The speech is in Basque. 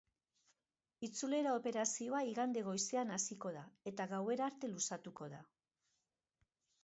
Itzulera operazioa igande goizean hasiko da eta gauera arte luzatuko da.